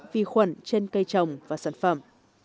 vi khuẩn trên cây trồng và sản phẩm